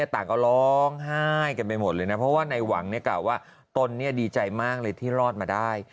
ท้องไห้กันไปหมดเลยนะเพราะว่าในหวังเนี่ยกล่าวว่าต้นเนี่ยดีใจมากเลยที่รอดมาได้